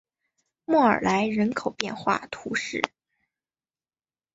莫尔莱人口变化图示